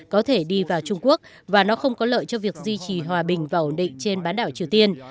có thể đi vào trung quốc và nó không có lợi cho việc duy trì hòa bình và ổn định trên bán đảo triều tiên